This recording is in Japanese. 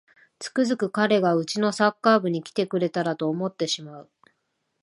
つくづく彼がうちのサッカー部に来てくれたらと思ってしまう